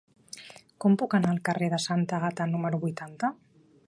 Com puc anar al carrer de Santa Àgata número vuitanta?